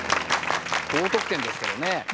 高得点ですけどね。